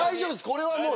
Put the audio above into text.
これはもう。